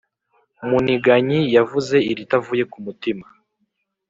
muniganyi yavuze iritavuye ku mutima,